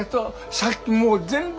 さっきもう全部。